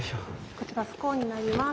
こちらスコーンになります。